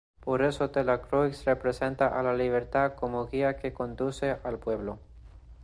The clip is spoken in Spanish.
Por eso Delacroix representa a la Libertad como guía que conduce al pueblo.